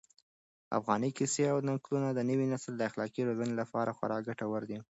افغاني کيسې او نکلونه د نوي نسل د اخلاقي روزنې لپاره خورا ګټور دي.